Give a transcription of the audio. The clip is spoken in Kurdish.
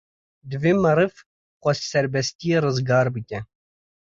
Divê meriv xwe ji serbestiyê rizgar bike.